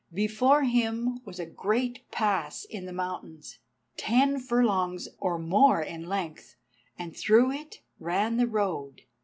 Before him was a great pass in the mountains, ten furlongs or more in length, and through it ran the road.